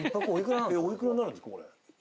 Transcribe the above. おいくらなるんですか？